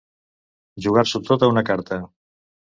Jugar-s'ho tot a una carta.